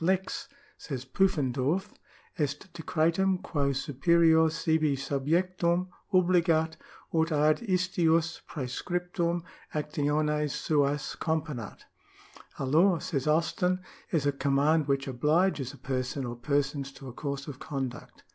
Lex, says Pufendorf,^ est decretum quo superior sibi subjectum obligat, ut ad istius praescriptum actiones suas componat. " A law," says Austin,^ " is a command which obliges a person or persons to a course of conduct."